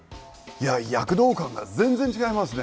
いや躍動感が全然違いますね！